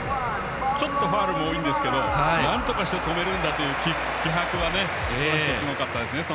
ちょっとファウルも多いんですけどなんとかして止めるんだという気迫がすごかったですね。